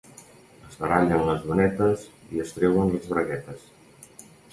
Es barallen les donetes i es treuen les braguetes.